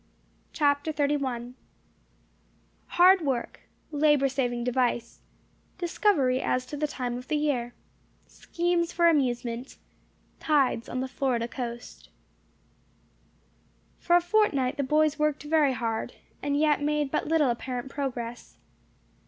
CHAPTER XXXI HARD WORK LABOUR SAVING DEVICE DISCOVERY AS TO THE TIME OF THE YEAR SCHEMES FOR AMUSEMENT TIDES ON THE FLORIDA COAST For a fortnight the boys worked very hard, and yet made but little apparent progress.